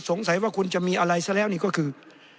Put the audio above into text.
สงสัยว่าคุณจะมีอะไรซะแล้วนี่ก็คือ